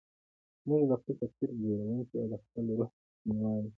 موږ د خپل تقدير جوړوونکي او د خپل روح عنوان يو.